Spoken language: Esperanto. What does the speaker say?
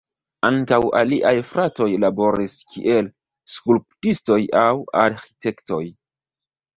Ankaŭ aliaj fratoj laboris kiel skulptistoj aŭ arĥitektoj.